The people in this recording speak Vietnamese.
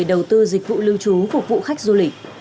đầu tư dịch vụ lưu trú phục vụ khách du lịch